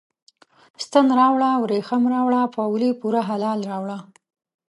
ستن راوړه، وریښم راوړه، پاولي پوره هلال راوړه